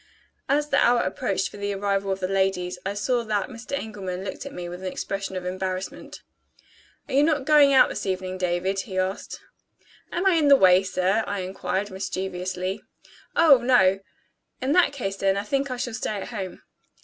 As the hour approached for the arrival of the ladies, I saw that Mr. Engelman looked at me with an expression of embarrassment. "Are you not going out this evening, David?" he asked. "Am I in the way, sir?" I inquired mischievously. "Oh, no!" "In that case then, I think I shall stay at home."